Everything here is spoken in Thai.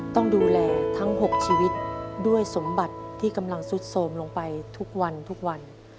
ต้องดูแลทั้ง๖ชีวิตด้วยสมบัติที่กำลังซุดโสมลงไปทุกวันทุกวัน